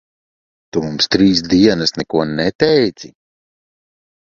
Tu mums trīs dienas neko neteici?